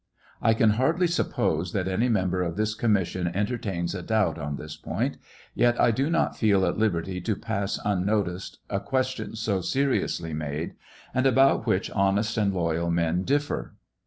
I can hardly suppose that any member of this commission entertains a doubt on this point; yet I do not feel at liberty to pass unnoticed a question so seri ously made, and about which honest and loyal men differ.